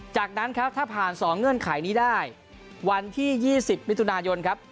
จากนั้นครับถ้าผ่าน๒เงื่อนไขนี้ได้วันที่๒๐มิถุนายนครับ